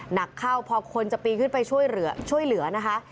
หนักเข้าพอคนจะปีนขึ้นไปช่วยเหลือนะคะ